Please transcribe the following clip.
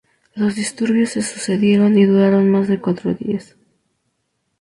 Los disturbios se sucedieron y duraron más de cuatro días.